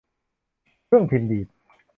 เครื่องพิมพ์ดีด